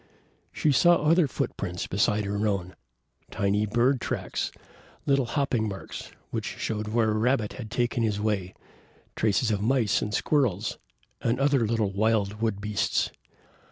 She saw other footprints beside her own, tiny bird tracks, little hopping marks, which showed where a rabbit had taken his way, traces of mice and squirrels and other little wild wood beasts.